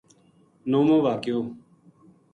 نوووں واقعو: